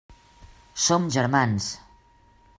Som germans.